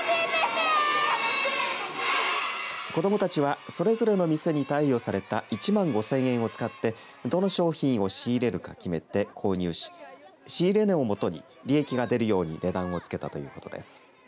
子どもたちは、それぞれの店に貸与された１万５０００円を使ってどの商品を仕入れるか決めて購入し仕入れ値をもとに利益が出るように値段をつけたということです。